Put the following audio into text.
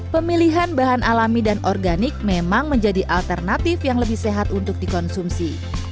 pemilihan bahan alami dan organik memang menjadi alternatif yang lebih sehat untuk dikonsumsi